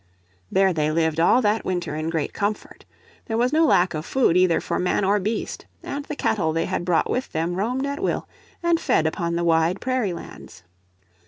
There they lived all that winter in great comfort. There was no lack of food either for man or beast, and the cattle they had brought with them roamed at will, and fed upon the wide prairie lands.